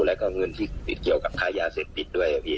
แล้วก็เงินที่เกี่ยวกับค่ายาเสร็จติดด้วย